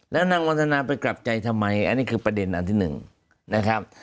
แล้วนางวันธนาไปกลับใจทำไมอันนี้คือประเด็นอันที่หนึ่งนะครับ